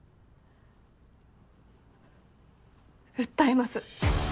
訴えます。